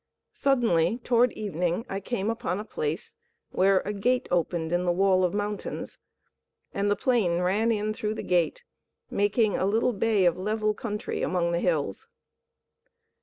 Suddenly, toward evening, I came upon a place where a gate opened in the wall of mountains, and the plain ran in through the gate, making a little bay of level country among the hills.